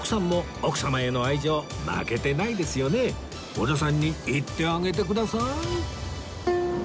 織田さんに言ってあげてください